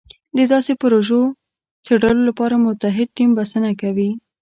د داسې پروژو څېړلو لپاره متعهد ټیم بسنه کوي.